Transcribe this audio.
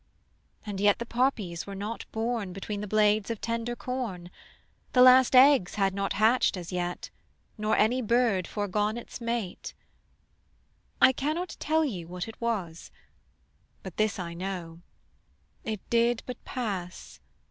As yet the poppies were not born Between the blades of tender corn; The last eggs had not hatched as yet, Nor any bird foregone its mate. I cannot tell you what it was; But this I know: it did but pass.